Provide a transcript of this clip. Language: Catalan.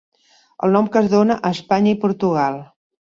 el nom que es dona a Espanya i Portugal